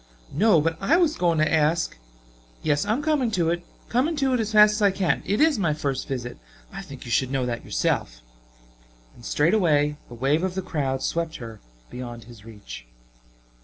"No, but I was going to ask " "Yes, I am coming to it, coming to it as fast as I can. It is my first visit. I think you should know that yourself." And straightway a wave of the crowd swept her beyond his reach.